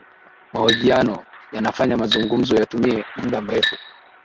mahojiano yanafanya mazungumzo yatumie muda mrefu